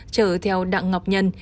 chở theo đặng ngọc nhân